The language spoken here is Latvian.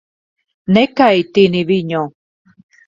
Nekaitini viņu.